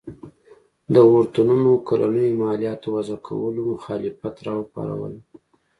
د اورتونونو کلنیو مالیاتو وضعه کولو مخالفت راوپاروله.